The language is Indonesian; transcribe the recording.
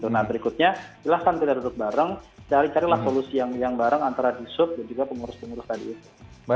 nah berikutnya silahkan kita duduk bareng carilah solusi yang bareng antara disuruh juga pengurus pengurus tadi itu